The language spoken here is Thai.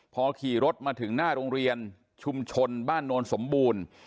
พอขี่รถมาถึงหน้าโรงเรียนชุมชนบ้านโนนสมบูรณ์